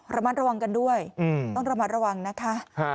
ระมัดระวังกันด้วยต้องระมัดระวังนะคะ